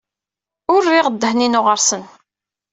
Ur rriɣ ddehn-inu ɣer-sen.